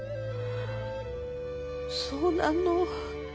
そうなの？